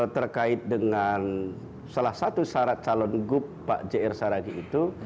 terkait dengan salah satu syarat calon gub pak jr saragi itu